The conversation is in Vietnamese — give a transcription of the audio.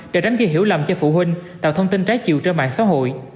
để đánh ghi hiểu lầm cho phụ huynh tạo thông tin trái chiều trên mạng xã hội